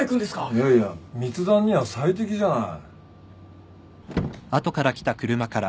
いやいや密談には最適じゃない。